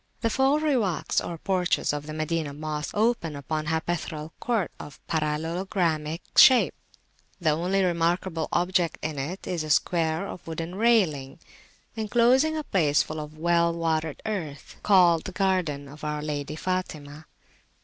The four Riwaks, or porches, of the Madinah Mosque open upon a hypaethral court of parallelogramic shape. [p.337] The only remarkable object in it[FN#75] is a square of wooden railing enclosing a place full of well watered earth, called the Garden of our Lady Fatimah.